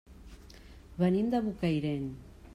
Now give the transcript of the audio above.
Venim de Bocairent.